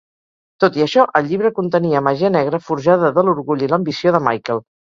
Tot i això, el llibre contenia màgia negra forjada de l'orgull i l'ambició de Michael.